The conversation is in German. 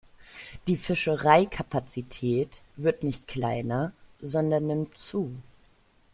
Die Fischereikapazität wird nicht kleiner, sondern nimmt zu.